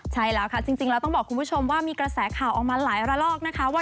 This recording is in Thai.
ใช่แล้วค่ะจริงแล้วต้องบอกคุณผู้ชมว่ามีกระแสข่าวออกมาหลายระลอกนะคะว่า